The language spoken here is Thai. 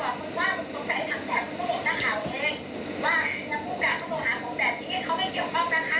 กูเข้าใจแต่ว่าถ้าผมไม่เจอหน้าข่าวถ้าคือที่กูถูกข่าวที่บุญกัน